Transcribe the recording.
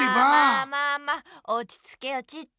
まあまあまあおちつけよチッチ。